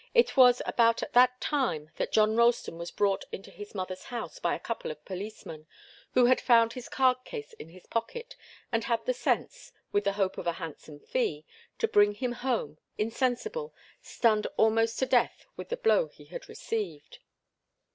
It was about at that time that John Ralston was brought into his mother's house by a couple of policemen, who had found his card case in his pocket, and had the sense with the hope of a handsome fee to bring him home, insensible, stunned almost to death with the blow he had received.